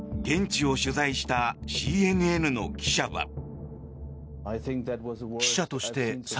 現地を取材したＣＮＮの記者は。